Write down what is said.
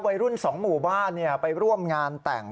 วัยรุ่น๒หมู่บ้านไปร่วมงานแต่ง